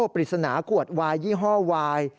ปริศนาขวดวายยี่ห้อวาย